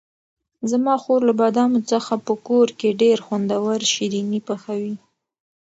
زما خور له بادامو څخه په کور کې ډېر خوندور شیریني پخوي.